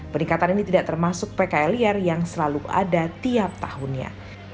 peningkatan ini tidak termasuk pkl liar yang selalu ada tiap tahunnya